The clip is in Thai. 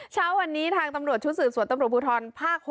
เช้าวันนี้ทางตำรวจชุดสืบสวนตำรวจภูทรภาค๖